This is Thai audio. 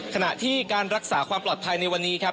ขณะที่การรักษาความปลอดภัยในวันนี้ครับ